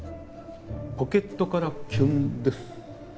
「ポケットからきゅんです！」